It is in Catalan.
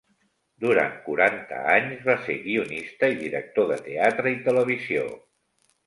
Durant quaranta anys va ser guionista i director de teatre i televisió.